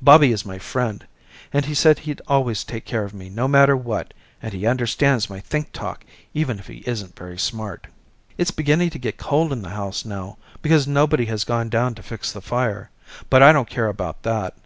Bobby is my friend and he said he'd always take care of me no matter what and he understands my think talk even if he isn't very smart. It's beginning to get cold in the house now because nobody has gone down to fix the fire but I don't care about that.